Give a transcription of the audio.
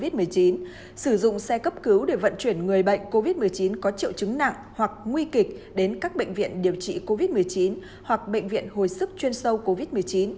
sở y tế tp hcm phối hợp sở giao thông vận tải huy động hai trăm linh xe khách chuyên dụng để vận chuyển người mắc covid một mươi chín không triệu chứng nặng hoặc nguy kịch đến bệnh viện giã chiến điều trị covid một mươi chín hoặc bệnh viện hồi sức chuyên sâu covid một mươi chín